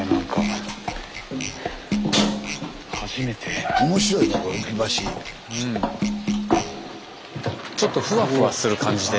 スタジオちょっとふわふわする感じで。